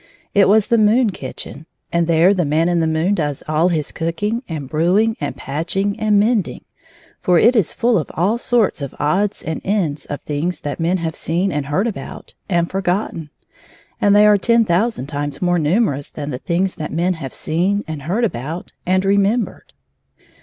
It was the moon kitchen, and there the Man in the moon does all his cooking and brewing and patching and mending, for it is foil of all sorts of odds and ends of things that men have seen and heard about and forgotten — and they are ten thousand times more numerous than the things that men have seen and heard about and remembered.